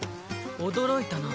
驚いたな。